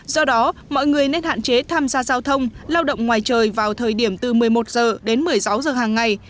do đó mọi người nên hạn chế tham gia giao thông lao động ngoài trời vào thời điểm từ một mươi một h đến một mươi sáu h hàng ngày